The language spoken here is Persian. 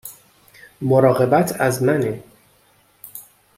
مراقبت از منه